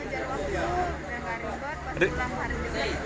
ya bekerja waktu nggak ribet pas pulang hari ini